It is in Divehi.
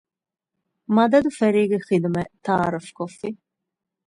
މަދަދު ފެރީގެ ޚިދުމަތް ތާރަފް ކޮއްފި